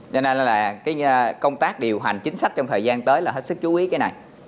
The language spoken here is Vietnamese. cho nên là cái công tác điều hành chính sách trong thời gian tới là hết sức chú ý cái này